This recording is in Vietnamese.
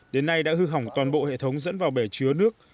đến nay đã hư hỏng toàn bộ hệ thống dẫn vào bể chứa nước